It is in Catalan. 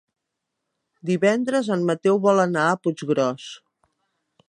Divendres en Mateu vol anar a Puiggròs.